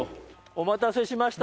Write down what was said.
お待たせしました。